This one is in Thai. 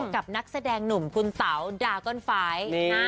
กับนักแสดงหนุ่มคุณเต๋าดาก้อนฟ้าย